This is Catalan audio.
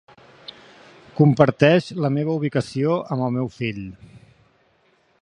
Comparteix la meva ubicació amb el meu fill.